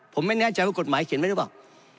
ผมไม่แน่ใจว่ากฎหมายเขียนไว้หรือเปล่า